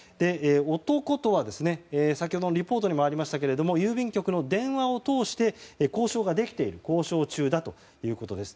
男とは先ほどのリポートにもありましたけれども郵便局の電話を通して交渉中だということです。